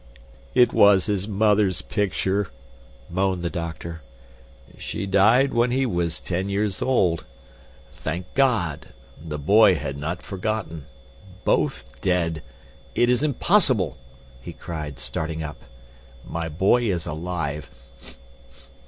"It was his mother's picture," moaned the doctor. "She died when he was ten years old. Thank God! The boy had not forgotten! Both dead? It is impossible!" he cried, starting up. "My boy is alive.